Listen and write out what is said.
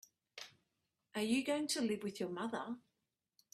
Are you going to live with your mother?